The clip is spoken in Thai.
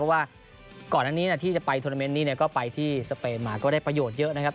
ว่าก่อนอันนี้ที่จะไปทวนาเมนต์นี้ก็ไปที่สเปนมาก็ได้ประโยชน์เยอะนะครับ